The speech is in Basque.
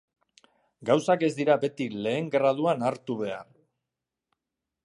Gauzak ez dira beti lehen graduan hartu behar.